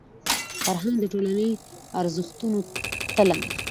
فرهنګ د ټولني د ارزښتونو تله ده.